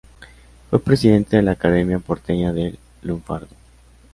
Fue presidente de la Academia Porteña del Lunfardo.